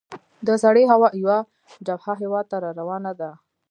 د سړې هوا یوه جبهه هیواد ته را روانه ده.